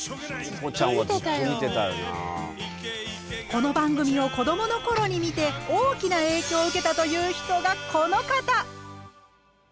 この番組を子どもの頃に見て大きな影響を受けたという人がこの方！